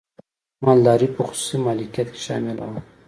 مالداري په خصوصي مالکیت کې شامله وه.